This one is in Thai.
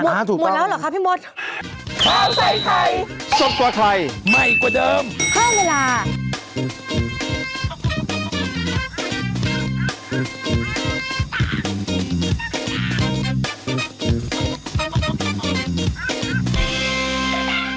หมดแล้วเหรอครับพี่มดถูกป้องเลย